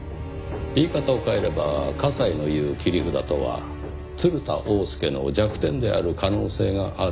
言い方を変えれば加西の言う「切り札」とは鶴田翁助の弱点である可能性があると？